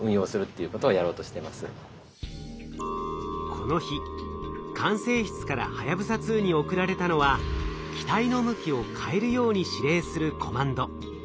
この日管制室からはやぶさ２に送られたのは機体の向きを変えるように指令するコマンド。